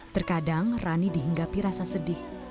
terkadang rani dihinggapi rasa sedih